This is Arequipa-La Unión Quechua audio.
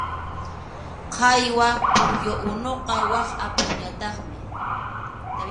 Qhaywaq pukyu unuqa wak apupñataqmi.